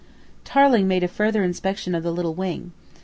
Tarling made a further inspection of the little wing.